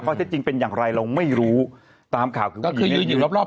ข้อที่จริงเป็นอย่างไรเราไม่รู้ตามข่าวก็คืออยู่รอบรอบ